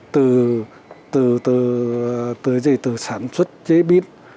và cung cấp thức ăn này từ sản xuất chế biến